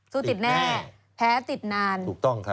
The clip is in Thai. สู้ติดแน่แพ้ติดนาน